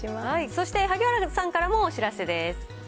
そして萩原さんからもお知らせです。